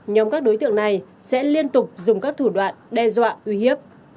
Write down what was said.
nhóm các đối tượng này sẽ liên tục dùng các thủ đoạn đe dọa uy hiếp